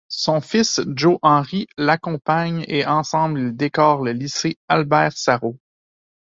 Son fils Jos Henri l'accompagne et ensemble ils décorent le lycée Albert-Sarraut.